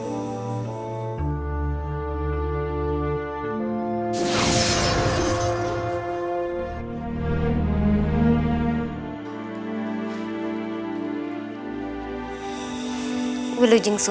ada apa di udara